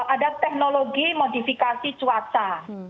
ada teknologi modifikasi cuaca